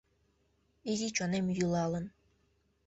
Изи чонем йӱлалын.